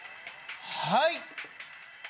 はい！